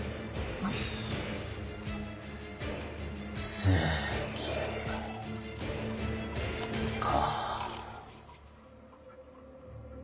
正義か。